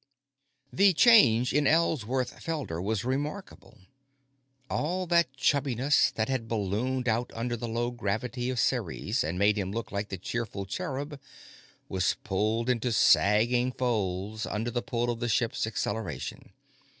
The change in Ellsworth Felder was remarkable. All that chubbiness that had ballooned out under the low gravity of Ceres and made him look like the Cheerful Cherub was pulled into sagging folds under the pull of the ship's acceleration.